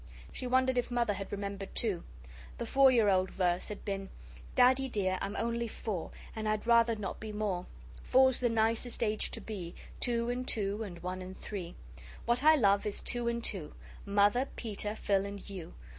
She wondered if Mother had remembered, too. The four year old verse had been: Daddy dear, I'm only four And I'd rather not be more. Four's the nicest age to be, Two and two and one and three. What I love is two and two, Mother, Peter, Phil, and you.